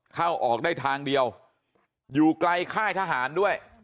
เข้าออกได้ทางเดียวอยู่ไกลค่ายทหารด้วย